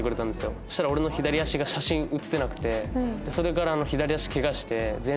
そしたら俺の左足が写真写ってなくてそれから左足ケガして前十字靱帯を。